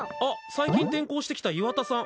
最近転校してきた岩田さん。